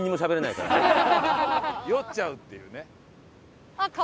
酔っちゃうっていうね。